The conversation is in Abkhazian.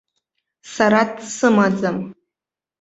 Сара дсымаӡам.